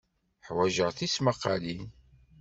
Ḥwajeɣ tismaqqalin.